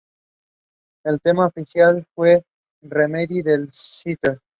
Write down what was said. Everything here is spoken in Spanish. El tema oficial fue ""Remedy"" de Seether.